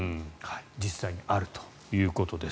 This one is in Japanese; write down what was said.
実際にあるということです。